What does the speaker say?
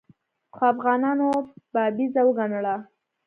خو افغانانو بابیزه وګڼله.